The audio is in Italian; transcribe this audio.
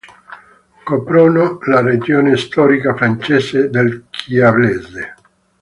Coprono la regione storica francese del Chiablese.